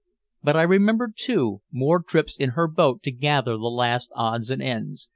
But I remember, too, more trips in her boat to gather the last odds and ends.